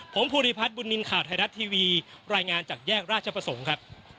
ผมภูริพัฒน์บุญนินทร์ข่าวไทยรัฐทีวีรายงานจากแยกราชประสงค์ครับ